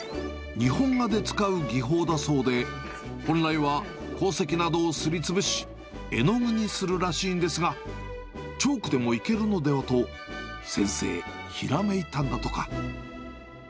日本画で使う技法だそうで、本来は鉱石などをすりつぶし、絵の具にするらしいんですが、チョークでもいけるのではと、先生、ひらめいたんだとか。